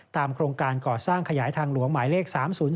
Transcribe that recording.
โครงการก่อสร้างขยายทางหลวงหมายเลข๓๐๔